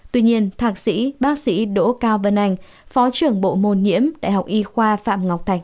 tuy nhiên thạc sĩ bác sĩ đỗ cao vân anh phó trưởng bộ môn nhiễm đại học y khoa phạm ngọc thạch